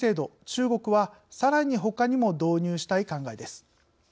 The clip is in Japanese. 中国はさらにほかにも導入したい考えです。